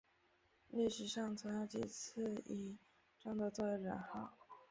历史上曾有几次以正德作为年号。